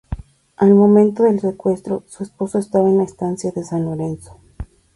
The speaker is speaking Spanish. Al momento del secuestro su esposo estaba en la estancia de San Lorenzo.